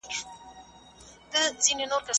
سفیران چیرته د پوهني حق غوښتنه کوي؟